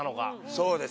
そうです。